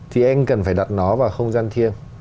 thì anh cần phải đặt nó vào không gian thiêng